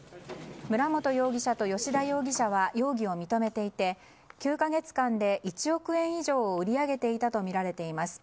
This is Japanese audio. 村本容疑者と吉田容疑者は容疑を認めていて９か月間で１億円以上を売り上げていたとみられています。